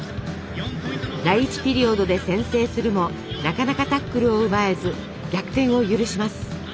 第１ピリオドで先制するもなかなかタックルを奪えず逆転を許します。